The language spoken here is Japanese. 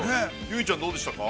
◆結実ちゃん、どうでしたか。